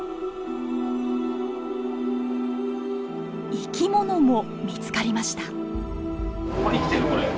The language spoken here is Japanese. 生き物も見つかりました。